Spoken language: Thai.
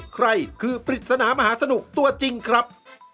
ใครคือปริศนามหาสนุกตัวจริงครับ